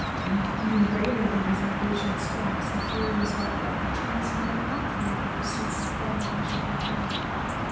And even greater than his impatience waxed the fear in his heart that perchance he might not find her as sweet and friendly as she had been.